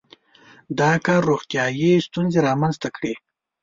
• دا کار روغتیايي ستونزې رامنځته کړې.